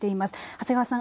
長谷川さん